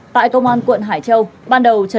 tại công an quận hải châu